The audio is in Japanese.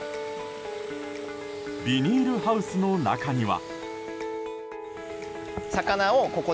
ビニールハウスの中には。